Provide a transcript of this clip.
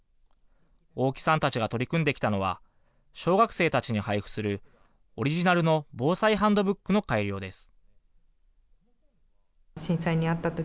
大木さんたちが取り組んできたのは、小学生たちに配布するオリジナルの防災ハンドブックの改良です。